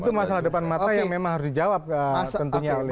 itu masalah depan mata yang memang harus dijawab tentunya oleh